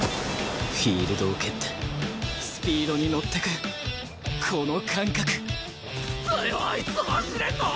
フィールドを蹴ってスピードにのってくこの感覚なんだよあいつ走れんの！？